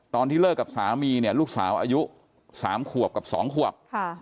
ตอนที่เลิกกับสามีเนี่ยลูกสาวอายุ๓ขวบกับ๒ขวบ